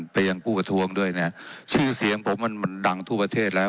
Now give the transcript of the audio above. ไปยังกู้ประท้วงด้วยเนี่ยชื่อเสียงผมมันมันดังทั่วประเทศแล้ว